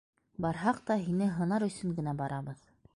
- Барһаҡ та, һине һынар өсөн генә барабыҙ.